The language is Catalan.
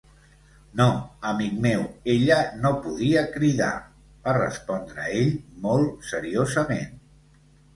"No, amic meu, ella no podia cridar", va respondre ell molt seriosament.